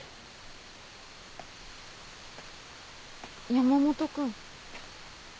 山本君。